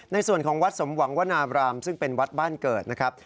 ในส่วนของวัดสมหวังวนาบรามซึ่งเป็นวัดบ้านเกิดนะครับ